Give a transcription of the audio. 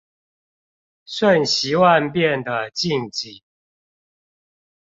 瞬息萬變的近景